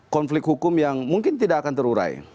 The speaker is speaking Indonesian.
konflik hukum yang mungkin tidak akan terurai